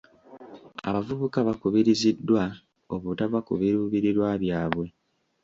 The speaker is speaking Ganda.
Abavubuka bakubiriziddwa obutava ku biruubirirwa byabwe.